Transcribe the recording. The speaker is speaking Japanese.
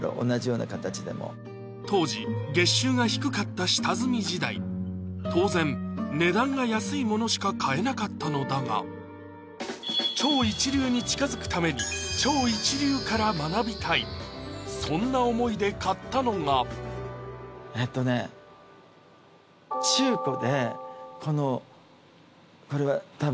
同じような形でも当時月収が低かった下積み時代当然値段が安いものしか買えなかったのだが「超一流」に近づくために「超一流」から学びたいそんな思いで買ったのがえっとねうわっ！